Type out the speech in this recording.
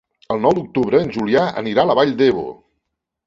El nou d'octubre en Julià anirà a la Vall d'Ebo.